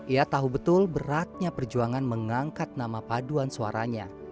ia tahu betul beratnya perjuangan mengangkat nama paduan suaranya